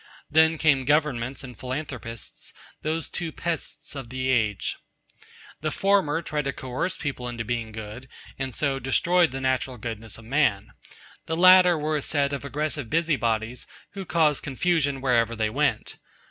Then came Governments and Philanthropists, those two pests of the age. The former tried to coerce people into being good, and so destroyed the natural goodness of man. The latter were a set of aggressive busybodies who caused confusion wherever they went.